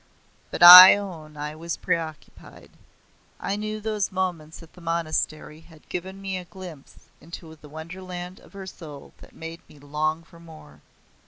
But I own I was pre occupied. I knew those moments at the monastery had given me a glimpse into the wonderland of her soul that made me long for more.